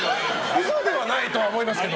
嘘ではないと思いますけど。